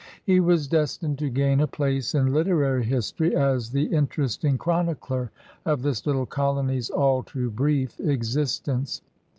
He was destined to gain a place in literary history as the interesting chronicler of this little colony's all too brief existence.